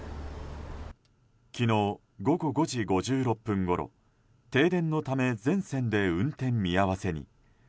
昨日午後５時５６分ごろ停電のため全線で運転見合わせに。